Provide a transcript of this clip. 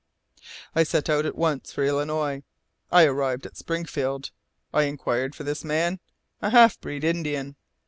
I set out at once for Illinois; I arrived at Springfield; I inquired for this man, a half breed Indian.